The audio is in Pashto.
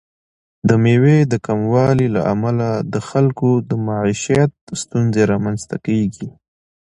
د میوې د کموالي له امله د خلکو د معیشت ستونزې رامنځته کیږي.